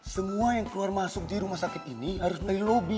semua yang keluar masuk di rumah sakit ini harus dari lobby